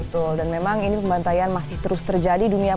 betul dan memang ini pembantaian masih terus terjadi dunia